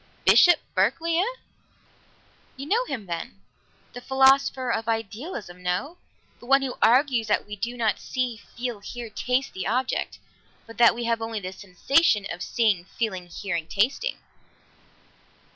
"Bishop Berkeley, eh?" "You know him, then? The philosopher of Idealism no? the one who argues that we do not see, feel, hear, taste the object, but that we have only the sensation of seeing, feeling, hearing, tasting."